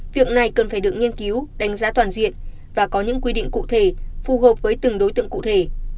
việc này cần phải được nghiên cứu đánh giá toàn diện và có những quy định cụ thể phù hợp với từng đối tượng cụ thể